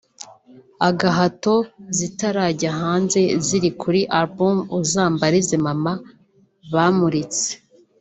“Agahato” zitarajya hanze ziri kuri Album Uzambarize Mama bamuritse